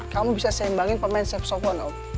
kamu bisa sembangin pemain sepsokon om